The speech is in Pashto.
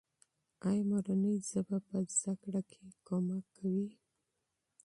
ایا مورنۍ ژبه په زده کړه کې مرسته کوي؟